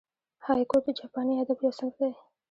هایکو د جاپاني ادب یو صنف دئ.